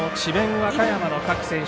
和歌山の各選手